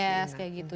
yes kayak gitu